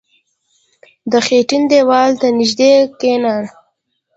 • د خټین دیوال ته نژدې کښېنه.